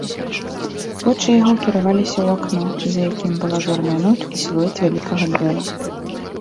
Вочы яго кіраваліся ў акно, за якім была зорная ноч і сілуэт вялікага дрэва.